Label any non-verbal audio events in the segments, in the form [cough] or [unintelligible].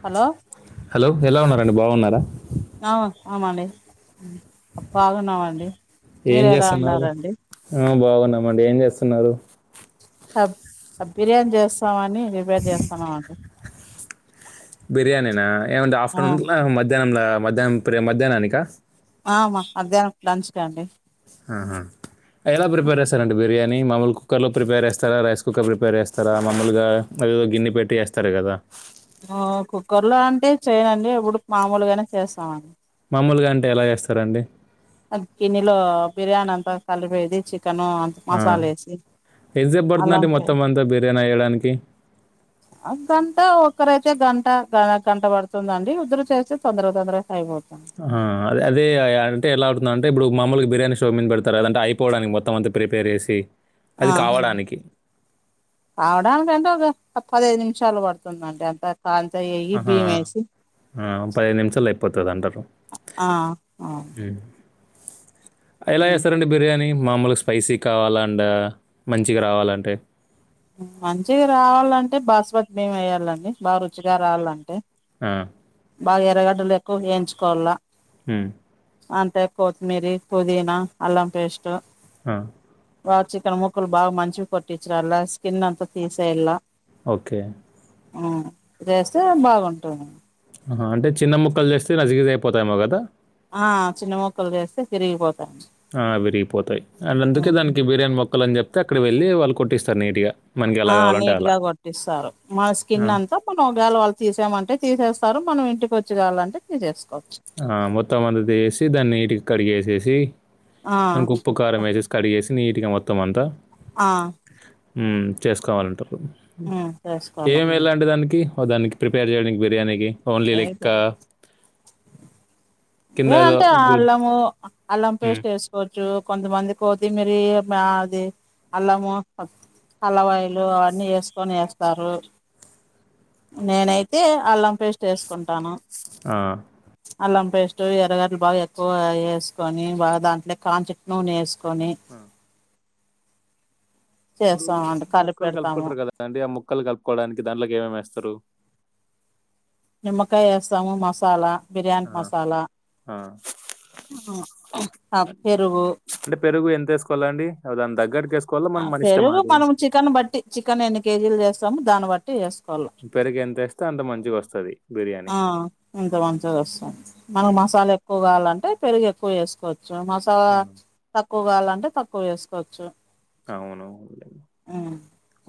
Hello hello ఎలా ఉన్నారండి బాగున్నారా ఆ ఆ మాల బాగున్నామండి మీరు ఎలా ఉన్నారంండి న్నామంటడి ఏం చేస్తున్నారు బ్ బిర్యానీ చేస్తామని రిపేర్ చేస్తాన్నామండి బిర్యాని నా ఏం ఆఫ్టర్నూన్ధ్యాహ్న మధ్యా్న మధ్యాహ్నాని కా ఆమ మధ్యాహ్నం ంచడంండి కానీ మమ్మూలు కుక్కర్లో ప్రిపేర్ చేేస్తారా రైస్ కుక్కర్ ప్రిపేర్ చేస్తారా మమ్మలుగా ఏదదో గిన్నె పెట్టి వస్తారు కదా కుక్కర్ లో అంటే చేయనండి ఎప్పుడు మామూలుగానా చేస్తామండి మామూలుగా అంటే ఎలా చేస్తారండి అది క నిీలు బిర్యానీ అంతా కలి బది చ ఆ ఎజబ్బర్త్ అల్లం అండి పే మొత్తం అంతా బిర్యానీ వయ్యడానికి ఒక్కర అయితే గంట గ గంట పడుతుందండి ఉద్దురు చేస్తే తొందరగా తొందర అయిపోతుంది ఆ అదే అదే అంటే ఎలా ంటే ఇప్పుడు మామ్మల్కి బిర్యానీ షో మీ పెడతారు అదంటే అయిపోడా మత్తం అంత ప్రిపేర్ చేసి ఆ అది కావడానికి అవడ వెంట అప్పదేదు షాలు పడుతుందండి అంత కాంత వేగి ఆహా బియ్యం వేసి ఆ పదిహేదు నిమిషాలు అయిపోతుంది అంటారు ఆ అవును ఎలా మ్మ్ చేస్తారండి బిర్యానీ మామూలుగా స్పైసీ కావాలాం మంచిగా రావాలంటే మంచిగా రావాలంటే బాస్పతి మేమి వేయాలండి బాగా రుచిగా రావాలంటే ఆ బాగా ఎర్రగడ్డలు ఎక్కువ వేయించుకోవాల హ అంటే కొత్తిమీర పుదీనా అల్లం పేస్ట్ ఆ వా చికన మొక్కలు బాగా మంచివి కొట్టిచ్చర అల్లా కిన్నంత తీసే ఎలా ఓకే ఆ చేస్తే బాగుంటుంది ఆ అంటే చిన్న ముక్కలు చేస్తే నజగది అయిపోతాయమో కదా ఆ చిన్న మొక్కలు చేస్తే తిరిగిపోతు ఆ విరిగిపోతాయి అండ్ అందుకే మ్మ్ దానికి బిర్యానీ మొక్కలుని చెప్ప అతే అక్కడ వెళ్ళలి వాళ్ళు కొట్టిస్తారు నీట్గా ఆ నీట్గా కొట్టిస్తారు మన ఆ! స్కిన్ అంతా మనం ఒకగాేల వాళ్ళు తీసామంటే తీసేస్తారు మనం ఇంటికి వచ్చి కావాలంటే తీ చేసుకోవచ్చు ఆ మొత్తంమదది సిధని ఇంటికి కడి చేసేసి అనకు ఉప్పు కారం ఆ వ స్ కడి చేసి నీటిగా మొత్తం అంతా ఆ చేసుకోవాలంటారు హ్మ్ చేసుకోవాలం ఏమి వెళండి దానికి దానికి ప్రిపేర్ చేయండిడానికి బిర్యానీకి ఓన్లీలిక్క అయితే ఇవే అంటే అల్లము హ్మ్. అల్లంస్ట్ వేసుకోవచ్చు కొంతమందికి పోది మీరి మాది అల్లము అల్లవాయిలు అవన్నీ వేసుకొని వేస్తారు నేనైతే అల్లం పేస్ట్ వేసుకుంటాను ఆ అలాంపేస్ ఎర్రగట్లు బాగా ఎక్కువ వేసుకొని బాగా దాంట్లో కాంచట్ నూ వేసుకని కొని ఆ! ఇప్పుడు కలిపి ముక్కలు పెడతాము కలుపుకుంటారు కదా అండి ఆ ముక్కలు కలుపుకోవడానికి దాంట్లోకి ఏమేమి వేస్తారు నిమ్మకాయ ఏస్తాము మసాలా బిర్యానీ ఆ! మసాలా ఆ! ఆ పెరుగు వేసుకోవాలండి అ దాని దగ్గరకేస్ ఆ పెరుగు మనం చికెన్ బట్టి చికెన్ ఎన్ని కేజీలు చేస్ తం దాన్ని బట్టి వేస్ పెరుగు ఎంత వేస్తే అంత మంచిగ వస్తది ఆ ఇంత మంచిగా వస్తాది మనకు హ్మ్. మసాలా ఎక్కువ కావాలంటే పెరుగు ఎక్ పోసేసుకో మసా హ్మ్. ల క్కువగాలంటే తక్కువ వేసుకోవచ్చు అవును ఉమ్.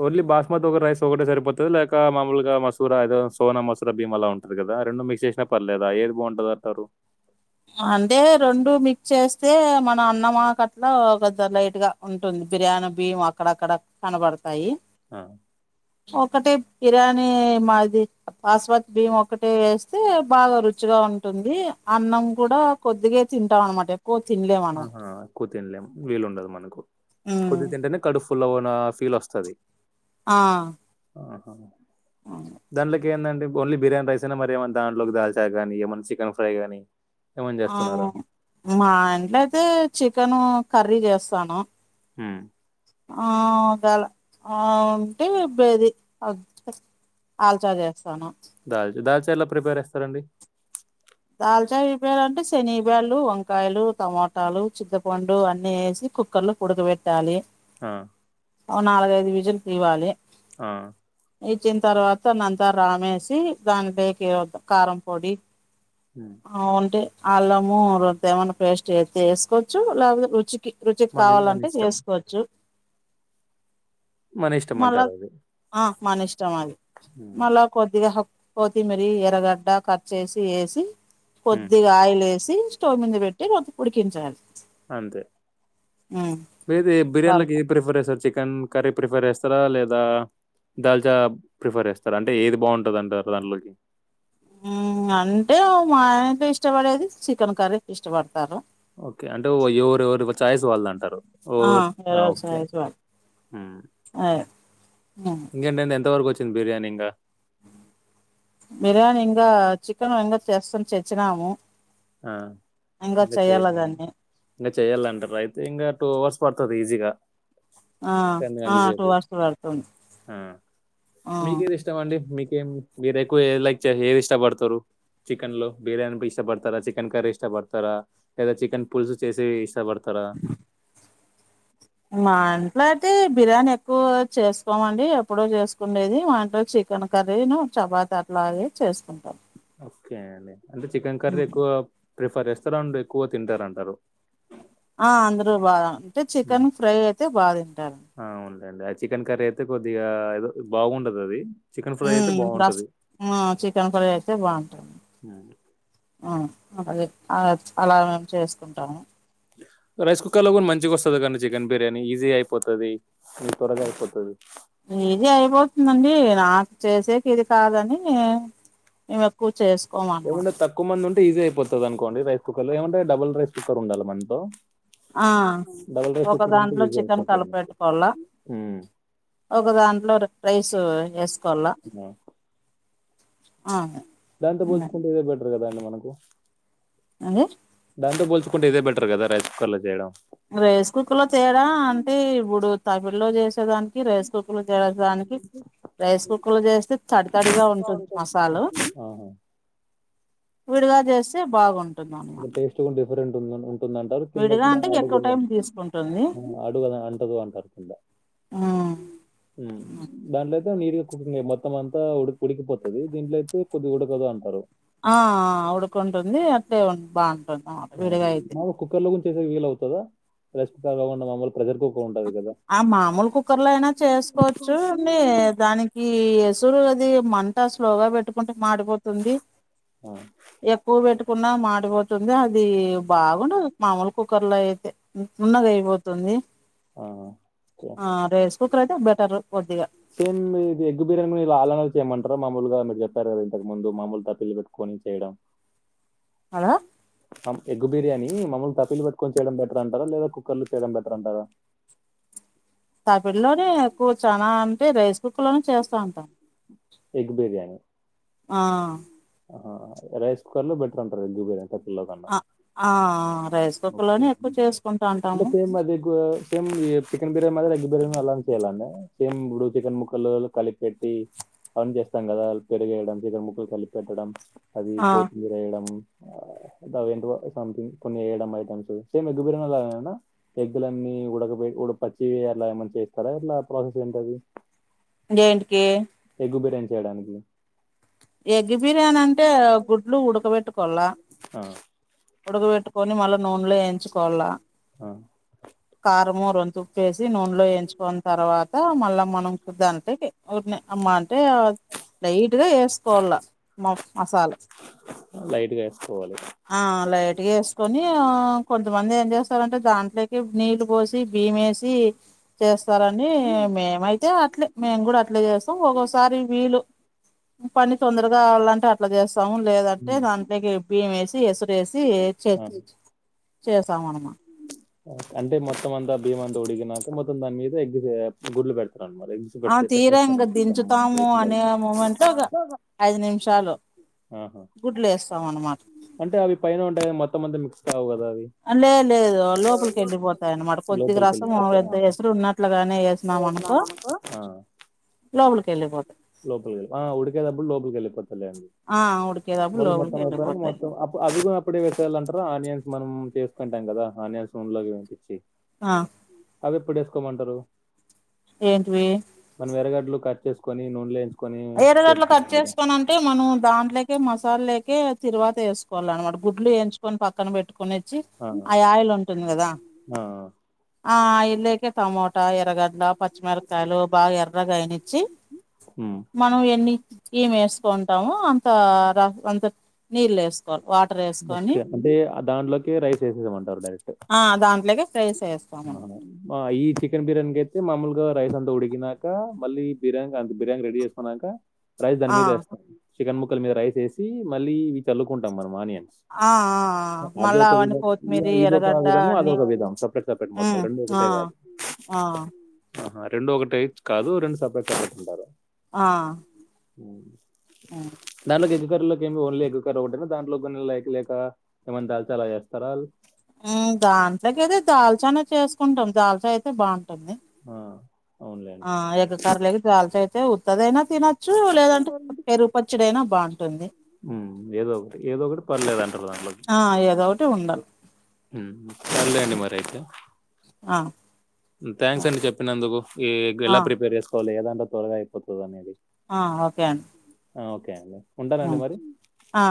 అవునులే పొద్దుకు రైస్ ఒకటే సరిపోతది లేక మామలుగా మసూర ఏదో సోనా మసూర భీమ అలా ఉంటుంది కదా రెండు మిక్స్ చేసా పర్లేదా ఏది బాగుంటంది అంటారు. అంటే రెండు మిక్స్ చేస్తే మన అన్నమాకట్లా కొద్ద లైట్ గా ఉంటుంది బిర్యానీ బియ్యం అక్కడక్కడ కనబడతాయి. ఆ ఒకటే బిర్యానీ మాది బాస్మతి బియ్యం ఒకటే వేస్తే బాగా రుచిగా ఉంటుంది. అన్నం కూడా కొద్దిగా తింటాం అనమాట క్కువ తినలేం ఆహా! అనమాట్ ఎక్కువ తినలేం వీలుండదు మనకు కుద్ది తింటేనే కడఫుల్లవనా స్ ఫీల్ వస్తది ఆ ఆహ దాన్లకి ఏందండి ఓన్లీ బిర్యానీ రైసేనా మరి ఏమన దాంట్లోకి దాల్చా కానీ ఏమైన్నా చికెన్ ఫ్రైగానీ ఆ మా ఇంట్లో తే చికెను కర్రీ చేస్తాను హ్మ్ ఆ గల ఆ ఉంటేబేది ఆల్చ చేస్తాను దాల్చా దాల్చా ఎలా ప్రిపేర్ ఎస్తారండి దల్చాయ ఇ పేయాలంటే శనిబ్యాలు, వంకాయలు, టమోటాలు, చింతపండు అన్నీ వేసి కుక్కర్ లోకి ఉడకబెట్టాలి. ఆ ఓ నాలుగైదు విజులు తీవాలి ఆ ఇచ్చిన తర్వాత నంతా రామేసి దాంతోకి కారం పొడి హ్మ్. ఆవుంటే అల్లము రొంత ఏమనా పేస్ట్ ఎత్తే వేసుకోవచ్చు లేకపోతే రుచికి రుచికి మన కావాలంటే వేసుకోవచ్చు మన మళ్ళా ఇష్టంమంటారు వాళ్లు ఆ మన ఇష్టం అది మల్లా కొద్దిగా హక్ కోత్తిమీరి ఎరగడ్డ కట్ చేసి వేసి ఇ హ్మ్. కొద్దిగా ఆయిల్ వేసి పోమింద వెట్టి రోం ఉడికించాలి అంతే మీది బిర్యానీ లోకి దాల్చా ఏ ప్రిఫరేషన్ చే కెన్ కర్రీ ప్రిఫర్ చేస్తారా లేదా దాల్చా ప్రిఫర్ చేస్తారా అంటే ఏది బాగుంటుంది అంటారు దాన్లోకి అంటే మా ఇంట్లో ఇష్టపడేది చికెన్ కర్రీ ఇష్టపడతారు ఓకే అంటే ఓ ఎవరు ఎవరు ఒక చాయిస్ వాళ్ళద అంటారు ఓ ఆ ఏదో ఓకే వాళ్ళు. అదే. ఉమ్. ఇంకేంటండి ఎంత వరకు వచ్చంది చికెన్ బిర్యానీంగా బిర్యానీ ఇంకా చికెన్ ఇకా చేస్తాని తెచ్చినాము ఆ ఇంకా చెయ్యాలండి దాన్ని ఇంకా చెయ్యాలంట అయితే ఇంకా టూ అవర్స్ పడుతుంది ఈజీగా ఆ ఆ గంటల టూ సేపు. వర్స్ పెడుతుంది ఆ! ఆ బేర ఎకు ైక్ హర్ ఇష్ట పడతవారు చికెన్ లో బిర్యానీ ప ఇష్ట పడతారు చికెన్ కరీ ఇష్టపడతారా లేదా చికెన్ పులుసు చేసి ఇష్టపడతా తరా మా ఇంట్లో అయితే బిర్యానీ ఎక్కువ చేసుకోమండి ఎప్పుడో చేసుకుండేది మా ఇంట్లో చికెన్ కర్రీ ను్ చపాతి అట్లా చేసుకుంటాం ఓకే అడి అంటే చికెన్ కర్రీ హ్మ్. ఎక్కువ ప్రిఫర్ చేస్తారు ఎక్కువ తింటారంటారు ఆ అంద్ర బా ఆ ఉండండి అ చికెన్ కర్రీ అయితే కొద్దిగా బాగుండదు అది రస్ చికెన్ కర్రీ అయితే బాగుంటుంది హ్మ్. ఆ అదే అలా మేము చేసుకుంటాము రైస్ కుక్కర్ లో కూడా మంచిగా వస్తది కానీ చికెన్ బిర్యానీ ఈజీ అయిపోతుది త్వరగా అయిపోతుది ఇది అయిపోతుందండి నాకు చేసేకి ఇది కాదని మేము ఎక్కువ చేస్తం ఏముంటే తక్కు మందు ఉంటడి ఈజీ అయిపోతుంది అనుకోండి రైస్ కుక్కర్ లో ఏమంట డుల్ రైస్ కుక్కర్ ఉండాలి మనతో ఆ డబుల్ రైస్ ఒక కుక్కర్ ఉంటే దాంట్లో ఈజీ చికెన్ అయిపోతది. కలిపెట్టుకోాల హ్మ్. ఒక దాంట్లో రైస్ ఎస్ ఆ ఆ దాంతా పోల్చుకుంటేదే ఇదే బెటర్ కదాండి మనకు అదే దాంట బసు ంట ఇదే బెర్ కా రైస్ కుక్కర్ లో చేయడం రైస్ కుక్కర్ లో తేడా అంటే ఇప్పుడు తపిలో చేసి ప్రతిదానికి రైస్ కుక్కర్లు చేడానికి రైస్ కుక్కర్లో చేస్తే తడి తడిగా ఉంటుంది మసాలు ఆహా! విడిగా చేస్తే బాగుంటుంది అన్నం ఎక్కువ టైం [unintelligible] తీసుకుంటుంది ఉమ్. ఎందంటారు హుమ్మ్ దాంట్లోఅయితే మిడి కుకింగ్ మొత్తం అంత ఉడికి ఉడికిపోతది దీంట్లో అయితే కొద్దిగా ఉడకదు అంటారు ఆ ఆ ఉడుకుం టుందీ అట్లే ఉం బాగుం మా కుక్కర్లో కొం వీలుఅవుతద ప్రెజర్ కు [unintelligible] ఆ మామూలు కుక్కర్లో అయినా చేసుకోవచ్చు అండి దానికి ఎసురు అది ఇది మంట స్లోగా పెట్టుకుంటే మాడిపోతుంది ఆ! ఎక్కువ పెట్టకు ఉన్న మాడిపోతుంది అది ది బాగుండదు మామూలు కుక్కర్లో అయితే ది ఉన్నది అయిపోతుంది ఆహా! ఆ రైస్ కుక్కర్ అయితే బెటర్ కొద్దిగా సేమ్ ఇది ఎగ్గు బిర్యానీ ఆళ్లనే చేయమంట ఇ మామూలుగా మీరు చెప్పారు కదా ఇంతకు ముందు మామూలు తప్పిళ్లు పెట్టుకొని చేయడం హలో ఎగ్ బిర్యానీ మమ్మల్ని తప్పిళ్ళు పెట్టుకొని చేయడం బెటర్ అంటారా లేదా కుక్కర్ లో చేయడం బెటర్ అంటారా తప్పిల్లోనే ఎక్కువ చానా అంటే రైస్ కుక్కర్ లోను చేస్తా ఉంటా ఎగ్ బిర్యానీ ఆ ఆ రైస్ కుక్కర్ లో బెడుత ఉంటారు ఎగ్ బిర్యాని అ ఆ రైస్ కుక్కర్ ఓకే లోనే ఎక్కువ చేసుకుంటా అండి ఉంటాము సేమ్ అది గో సేమ్ చికెన్ బిర్యానీ మాదిరి ఎగ్ బిర్యానీ అలాగే చేయ్యాలండి సేమ్ ఇప్పుడు చికెన్ ముక్కలు కలిపిపెట్టి పని చేస్తాం కదా పెరు గేయడం చికెన్ ముక్కలు కలిపిపెట్టడం అది ఆ కోత్మీర వేయడం అవేంటివో సంథంగ్ కొన్ని ఏయడం సేమ్ ఎగ్ బిర్యాని లాగానా ఎగ్గులన్నీ ఉడక పెట్టి ఉడక పచ్చి అలా ఏమ చేస్తారా ఎట్లా ప్రాసెస్ ఏంటది దేంటికి ఎగ్ బిర్యాని చేయడానికి ఎగ్ బిర్యానీ అంటే గుడ్లు ఉడకబెట్టు కొలా ఆ! ఉడక పెట్టుకొని మళ్ళా నూనెలో వేయించుకోవాల ఆ! కారము రొంతుప్పేసి నూనెలో వేయించుకన్న తర్వాత మళ్ళా మనం చూద్దాం అంటే [unintelligible] ఒకటిని అమ్మా అంటే లైట్ గా ఏస్త కోళ్ళ మ మసాలా లైట్‌గా ఏసుకోవాలి. ఆ లైట్గా వేసుకొని కొంతమంది ఏం చేస్తారంటే దాంట్లోకి నీళ్ళు పోసి బియ్యమేసి చేస్త స్తారని మేమైతే అట్లే మేము కూడా అట్లే చేస్తాం ఒక్కోసారి వీలు పని తొందరగాలా ట్లాదదు సౌండ్ లేదంటే హ్మ్. దాంట్లోకి బియ్యం వేసి స చేేసి చే ఆ! చేసాం అనమా అంటే మొత్తం అంతా బియ్యం అంతా ఉడికినాక మొత్తం దాని మీద ఎగ్ గుడ్లు పెడతాం ఆ పెడిహా తీరా ఇంక దించుతాము అనే మూమెంట్ లో ఒక ఐదు నిమిషాలు గుడ్లు వేస్తాం అనమాట అంటే అవి ఉంటే మొత్తం మిస్ అవ్వవు లే లేదు లోపలికి వెళ్ళిపోతాయి అన్నమాట కొద్దిగా లోపలికి వెళ్ళిపోతుంది లోపలికి రసం వెళ్ళిపోతాయి ఎంత కొద్దిగా. ఎసురు ఉన్నట్లుగానే వేసినామనుకో ఆ, లోపలికి వెళ్ళిపోతాయి లోపలికి వెళ్ళి ఆ, ఉడికేటప్పుడు లోపలికి వెళ్ళిపోతాయి అండి ఆ ఉడికేటప్పుడు మొదలు లోపలికి మొత్తం అయిపోయినాక వెళ్ళిపోతాయి మొత్తం అప్పు- అవి కూడా అప్పుడే వేసేలంటారు ఆనియన్స్ మనం చేసుకుంటాం కదా ఆనియన్స్ నూనెలో వేపించి ఆ అవి ఎప్పుడు వేసుకోమంటారు ఏంటివి మనం ఎర్రగడ్డలు కట్ చేసుకుని నూనెలో వేయించు ఎరగడ్లు ఖర్చు చేసుకొన్నా వనంటే మనం దాంట్లోకే మ మసాలేకే తిరువాత వేసుకోవాలి అనమాట గుడ్లు వేంచుకొని పక్కన పెట్టుకుని ఆ ఆయిల్ ఉంటుంది కదా ఆ, ఆ ఇళకి టొమోటా ఎరగడ్ల పచ్చిమిరకాయలు బాగా ఎర్రగా అయినిచ్చి ఉమ్. మనం ఎన్ని గీమ్ వేసుకుంటాము అంత అంత నీళ్ళు వేసుకోవాలి వాటర్ వేసుకొని ఓకే అంటే దాంట్లోకి రైస్ వేసేదనమాట డైరెక్ట్ ఆ దాంట్లోకి రైస్ వేస్తాము మా ఈ చికెన్ బిర్యానీక అయితే మాముూలుగా రైస్ అంతా ఉడికిినక మళ్ళీ బిర్యానీ అంత బిర్యానీ రెడీ చేసుకున్నాక రైస్ దాని ఆ మీద వేస్తాం చికెన్ ముక్కల మీద రైస్ వేసి మళ్ళీ ఇ చల్లుకుంటాం ఆనియన్ ఆ ఆ మళ్ళా అవన్నీ ఇ కొత్తిమీరి ఇదొక ఎర్రగడ్డ విధము, అన్ని అదొక విధం. సెపరేట్, సెపరేట్ హు మొత్తం ఆ ఆ ఆ రెండు ఒకటి కాదు రెండు సపరేట్ సపరేట్ కాదు ఆ ఉమ్ నాలు గది చికెన్ లో కి ఓన్లీ ఎగ్ కర్రీ ఒకటేనా దానిలో లేక ఏమన్నా దాల్చాల చేస్తారా హు దాంట్లోకి అయితే దాల్చచేస్ కుంటాం చాసా అయితే బాగుంటుంది ఆ అవునులేండి. ఆ ఎగ్ కలేగి దవాలతో ఉత్తదనా తినొచ్చు లేదంటే పెరుగు పచ్చిడి అయినా బాగుంటుంది హ్మ్. ఏదో ఒకటి. ఏదో ఒకటి పర్లేదంటారు ఆ ఏదోటి ే ఉండాలి మదే అండి ఉమ్, మరి అయితే ఆ ఆ థ్యాంక్స్ అండి చెప్పిన ఎందుకు ఈ ఆ ఎలా ప్రిపేర్ చేసుకోవాలి కదా ంటొలగాయి పతు అనేదది ఆ ఓకే అండి ఓకే అండి ఉంటానండి మరి. ఆా